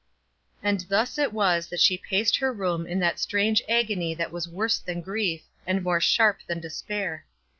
And thus it was that she paced her room in that strange agony that was worse than grief, and more sharp than despair.